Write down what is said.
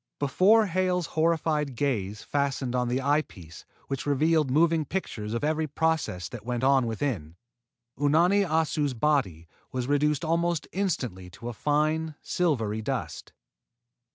Before Hale's horrified gaze fastened on the eye piece which revealed moving pictures of every process that went on within, Unani Assu's body was reduced almost instantly to a fine, silvery dust.